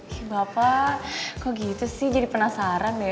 gila pak kok gitu sih jadi penasaran deh